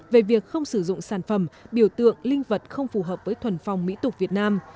về việc không sử dụng sản phẩm biểu tượng linh vật không phù hợp với thuần phong mỹ tục việt nam